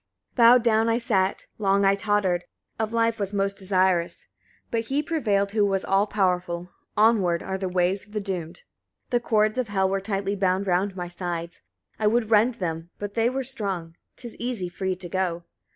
36. Bowed down I sat, long I tottered, of life was most desirous; but He prevailed who was all powerful: onward are the ways of the doomed. 37. The cords of Hel were tightly bound round my sides; I would rend them, but they were strong. 'Tis easy free to go.